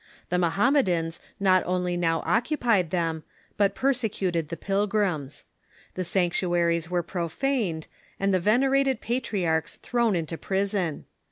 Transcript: The Mohammedans not only now occupied them, but persecuted the pilgrims. The sanctuaries were profaned, and the venerated patriarchs thrown into prison.